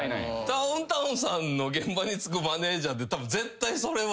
ダウンタウンさんの現場につくマネージャーで絶対それは。